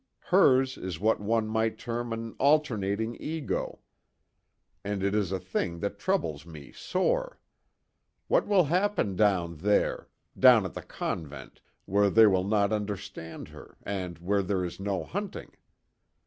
Hers is what one might term an alternating ego. And it is a thing that troubles me sore. What will happen down there down at the convent, where they will not understand her, and where there is no hunting?